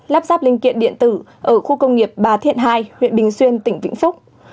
lắp ráp linh kiện điện tử ở khu công nghiệp bà thiện hai huyện bình xuyên tỉnh vĩnh phúc